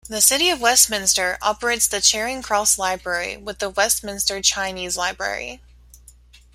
The City of Westminster operates the Charing Cross Library with the Westminster Chinese Library.